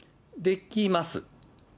できます。